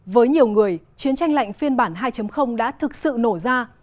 với nhiều người chiến tranh lạnh phiên bản hai đã thực sự nổ ra